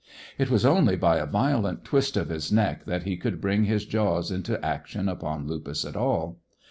It was only by a violent twist of his neck that he could bring his jaws into action upon Lupus at all.